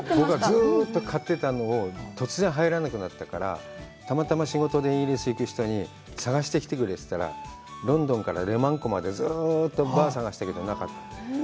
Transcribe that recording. ずっと買ってたものを入らなくなったから、たまたま仕事でイギリスに行く人に探してきてくれって言ったら、ロンドンからレマン湖までずうっとバーを探してもなかった。